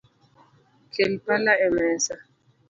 Kel pala emesa